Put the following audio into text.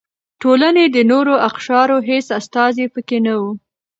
ټولنې د نورو اقشارو هېڅ استازي پکې نه و.